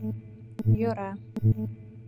— Йӧра-а-а!..